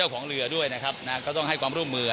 ของเรือด้วยนะครับก็ต้องให้ความร่วมมือ